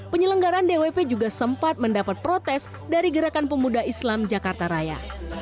penyelenggaran dwp juga sempat mendapat protes dari gerakan pemuda islam jakarta raya